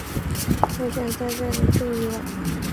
我想在这里住一晚